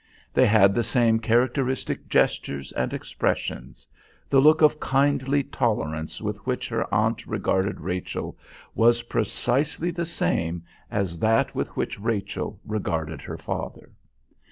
They had the same characteristic gestures and expressions; the look of kindly tolerance with which her aunt regarded Rachel was precisely the same as that with which Rachel regarded her father.